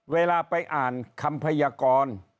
เวลาไปอ่านคำพยากร